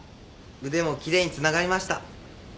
腕もきれいにつながりました。